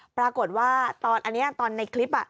ปรากฏว่าอันนี้ตอนในคลิป